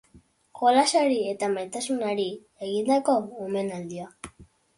Jolasari eta maitasunari egindako omenaldia.